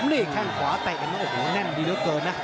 นี่แค่งขวาเตะโอ้โหแน่นดีเท่าเกินนะ